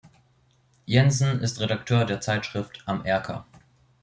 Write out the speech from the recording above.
Jensen ist Redakteur der Zeitschrift "Am Erker".